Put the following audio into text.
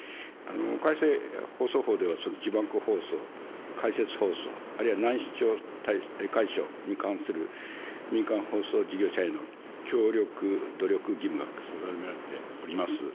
改正放送法では、字幕放送、解説放送、あるいは難視聴解消に関する民間放送事業者への協力、努力義務が定められております。